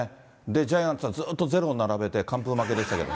ジャイアンツはずっとゼロを並べて、完封負けでしたけど。